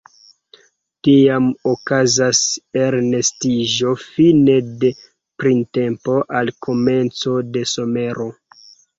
Tiam okazas elnestiĝo fine de printempo al komenco de somero.